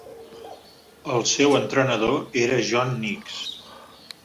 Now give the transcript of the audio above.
El seu entrenador era John Nicks.